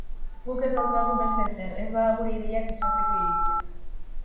Guk ez daukagu beste ezer, ez bada gure ideiak esateko iritzia.